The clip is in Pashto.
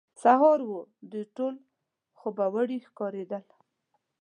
سهار وو، دوی ټول خوبوړي ښکارېدل.